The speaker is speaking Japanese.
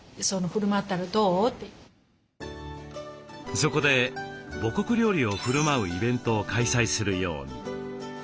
そこで母国料理をふるまうイベントを開催するように。